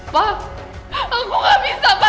pak aku gak bisa pak